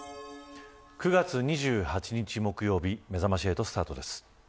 ９月２８日木曜日めざまし８スタートです。